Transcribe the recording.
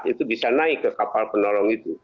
itu bisa naik ke kapal penolong itu